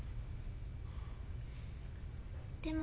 でも。